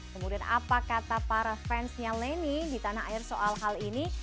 kemudian apa kata para fansnya leni di tanah air soal hal ini